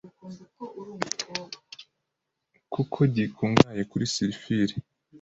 kuko gikungahaye kuri sulfure